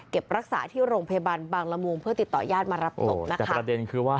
เก็บรักษาที่โรงพิแบนบางระมวงเพื่อติดต่อย่านมารับผล